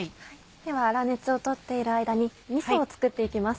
では粗熱を取っている間にみそを作って行きます。